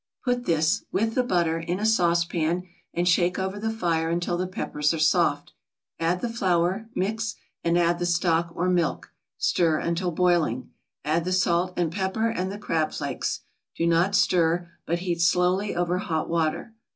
Put this, with the butter, in a saucepan, and shake over the fire until the peppers are soft. Add the flour, mix, and add the stock or milk; stir until boiling, add the salt and pepper and the crab flakes. Do not stir, but heat slowly over hot water.